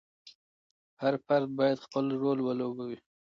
هر فرد باید خپل رول ولوبوي.